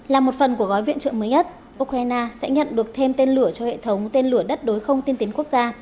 là một phần của gói viện trợ mới nhất ukraine sẽ nhận được thêm tên lửa cho hệ thống tên lửa đất đối không tiên tiến quốc gia